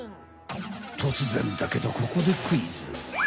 とつぜんだけどここでクイズ。